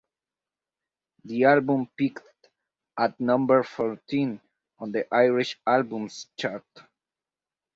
The album peaked at number fourteen on the Irish Albums Chart.